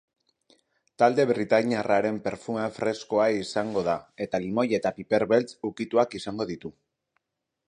Talde britainiarraren perfumea freskoa izango da eta limoi eta piperbeltz ukituak izango ditu.